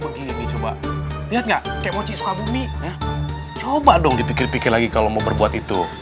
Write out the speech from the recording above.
begini coba lihat nggak kayak mochi suka bumi ya coba dong dipikir pikir lagi kalau mau berbuat itu